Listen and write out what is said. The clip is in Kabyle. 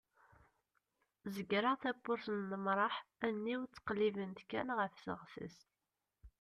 zegreɣ tawwurt n lemraḥ allen-iw ttqellibent kan ɣef teɣtest